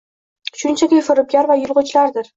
shunchaki firibgar va yulg‘ichlardir.